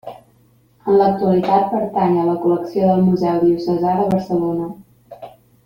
En l'actualitat pertany a la col·lecció del Museu Diocesà de Barcelona.